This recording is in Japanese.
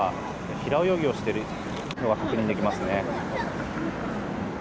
平泳ぎをしているのが確認できますね。